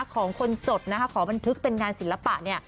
ของคนจดนะคะขอบันทึกเป็นงานศิลปะเนี่ย